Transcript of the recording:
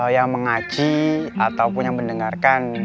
yang mengaji ataupun yang mendengarkan